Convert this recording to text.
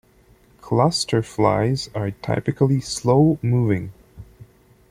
Cluster flies are typically slow-moving.